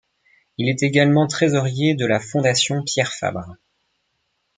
Il est également trésorier de la Fondation Pierre Fabre.